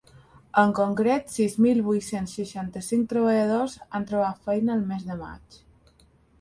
En concret, sis mil vuit-cents seixanta-cinc treballadors han trobat feina el mes de maig.